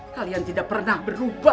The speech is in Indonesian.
kalian tidak pernah berubah